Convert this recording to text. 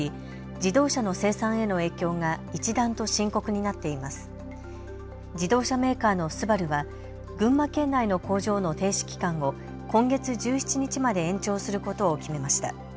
自動車メーカーのＳＵＢＡＲＵは群馬県内の工場の停止期間を今月１７日まで延長することを決めました。